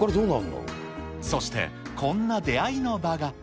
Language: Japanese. そしてこんな出会いの場が。